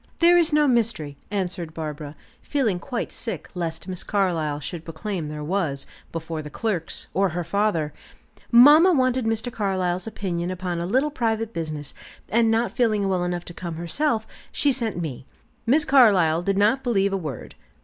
"There is no mystery," answered Barbara, feeling quite sick lest Miss Carlyle should proclaim there was, before the clerks, or her father. "Mamma wanted Mr. Carlyle's opinion upon a little private business, and not feeling well enough to come herself, she sent me." Miss Carlyle did not believe a word.